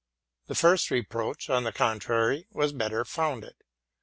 The first reproach, on the contrary, was better founded.